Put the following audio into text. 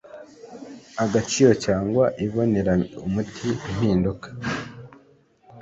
Agaciro cyangwa ibonere umuti impinduka